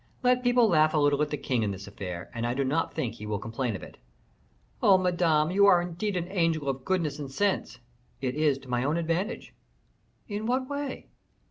Let people laugh a little at the king in this affair, and I do not think he will complain of it." "Oh, Madame, you are indeed an angel of goodness and sense!" "It is to my own advantage." "In what way?"